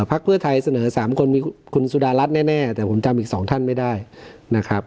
พักเพื่อไทยเสนอ๓คนมีคุณสุดารัฐแน่แต่ผมจำอีก๒ท่านไม่ได้นะครับ